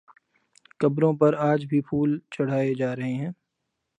قبروں پر آج بھی پھول چڑھائے جا رہے ہیں